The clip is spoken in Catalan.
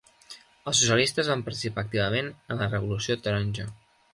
Els socialistes van participar activament en la Revolució Taronja.